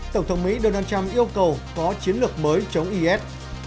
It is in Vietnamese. tổng thống mỹ donald trump yêu cầu có chiến lược mới chống is